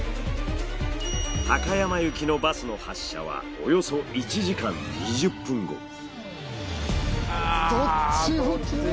高山行きのバスの発車はおよそ１時間２０分後。